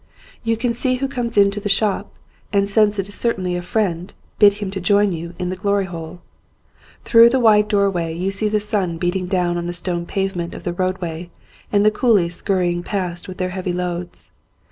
You can see who comes into the shop and since it is certainly a friend bid him join you in the Glory Hole. Through the wide doorway you see the sun beating down on the stone pavement of the roadway and the coolies scurrying past with their heavy loads.